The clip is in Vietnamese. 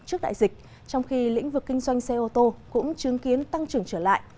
trước đại dịch trong khi lĩnh vực kinh doanh xe ô tô cũng chứng kiến tăng trưởng trở lại